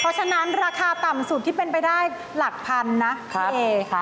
เพราะฉะนั้นราคาต่ำสุดที่เป็นไปได้หลักพันนะพี่เอค่ะ